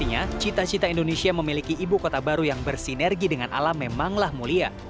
nah cita cita indonesia memiliki ibu kota baru yang bersinergi dengan alam memanglah mulia